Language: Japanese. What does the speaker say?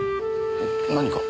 何か？